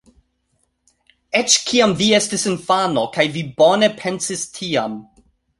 Eĉ kiam vi estis infano, kaj vi ne bone pensis tiam.